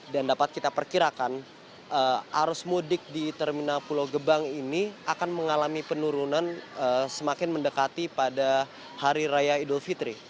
dan dapat kita perkirakan arus mudik di terminal pulau gebang ini akan mengalami penurunan semakin mendekati pada hari raya idul fitri